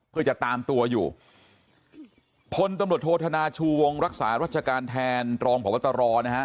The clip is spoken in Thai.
เพื่อจะตามตัวอยู่พลตำรวจโทษธนาชูวงรักษารัชการแทนรองพบตรนะฮะ